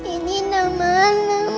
ini udah mana